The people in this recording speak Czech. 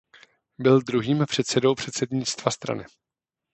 Byl druhým předsedou předsednictva strany.